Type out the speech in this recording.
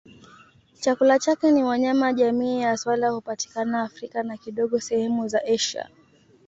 Chakula chake ni wanyama jamii ya swala hupatikana Afrika na kidogo sehemu za Asia.